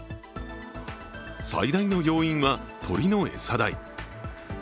最大の要因は鶏の餌代。